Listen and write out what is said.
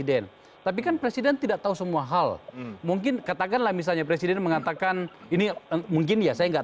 dan bandar narkoba jadi